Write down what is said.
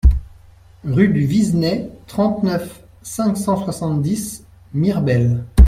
Rue du Viseney, trente-neuf, cinq cent soixante-dix Mirebel